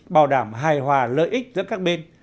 bảo đảm hài hòa lợi ích giữa các bên